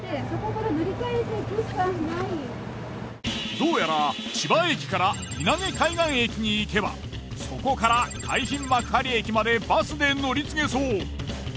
どうやら千葉駅から稲毛海岸駅に行けばそこから海浜幕張駅までバスで乗り継げそう。